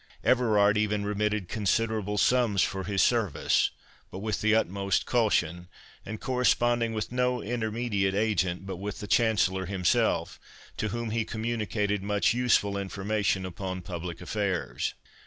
Everard even remitted considerable sums for his service, but with the utmost caution, and corresponding with no intermediate agent, but with the Chancellor himself, to whom he communicated much useful information upon public affairs.